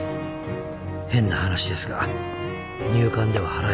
変な話ですが入管では払えません。